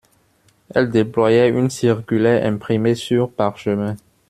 Elle déployait une circulaire imprimée sur parchemin.